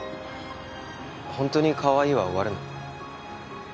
本当にかわいいは終わるの？